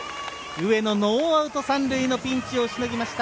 上野、ノーアウト３塁のピンチをしのぎました。